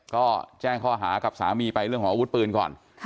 ก็แจ้งข้อหากับสามีไปเรื่องของอาวุธปืนก่อน